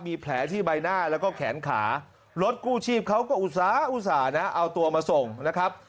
มีแผลที่ใบหน้าแล้วก็แขนขารถกู้ชีพเขาก็อุตส่าห์นะเอาตัวมาส่งนะครับ